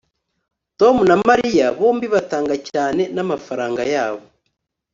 tom na mariya bombi batanga cyane namafaranga yabo